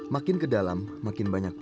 makin ke dalam makin banyak